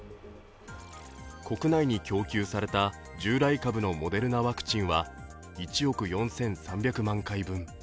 国内に供給された従来株のモデルナワクチンは１億４３００万回分。